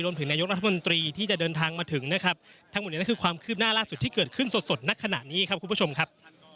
ถึงนายกรัฐมนตรีที่จะเดินทางมาถึงนะครับทั้งหมดนี้คือความคืบหน้าล่าสุดที่เกิดขึ้นสดสดณขณะนี้ครับคุณผู้ชมครับ